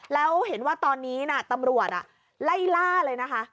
แล้วเห็นว่าตอนนี้น่ะตำรวจไล่ล่าเลยนะคะ